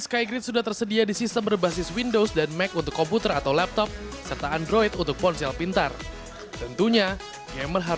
karena ya saya yang kuota juga sih